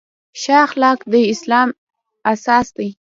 ښه اخلاق د اسلام اساس دی.